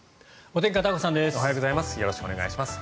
おはようございます。